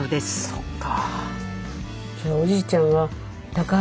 そっか。